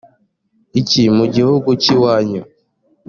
iki mu gihugu cy iwanyu